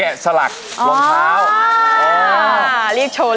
แกะสลักรองเท้า